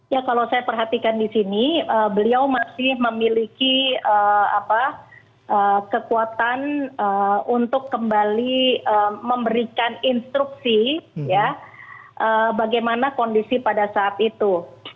ya kalau saya perhatikan di sini beliau masih memiliki kekuatan untuk kembali memberikan instruksi bagaimana kondisi pada saat itu